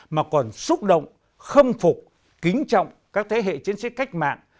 mà còn xúc động khâm phục kính trọng các thế hệ chiến sĩ cách mạng